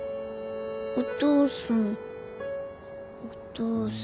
お父さんお父さん。